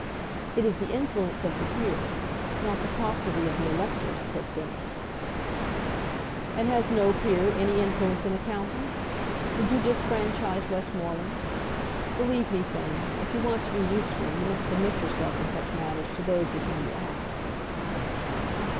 "It is the influence of the peer, not the paucity of the electors," said Phineas. "And has no peer any influence in a county? Would you disfranchise Westmoreland? Believe me, Finn, if you want to be useful, you must submit yourself in such matters to those with whom you act."